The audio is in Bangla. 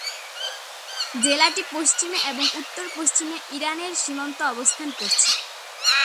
জেলাটি পশ্চিমে এবং উত্তর পশ্চিমে ইরানের সীমান্ত অবস্থান করছে।